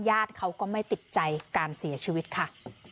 ญาติเขาก็ไม่ติดใจการเสียชีวิตค่ะ